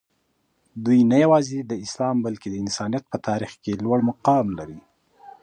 دوي نه یوازې د اسلام بلکې د انسانیت په تاریخ کې لوړ مقام لري.